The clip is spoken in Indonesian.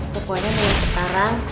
pokoknya nih sekarang